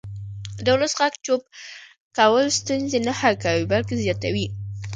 د ولس غږ چوپ کول ستونزې نه حل کوي بلکې زیاتوي